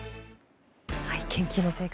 研究の成果